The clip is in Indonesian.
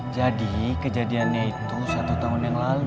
jadi kejadiannya itu satu tahun yang lalu